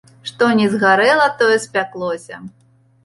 Што не згарэла, тое спяклося.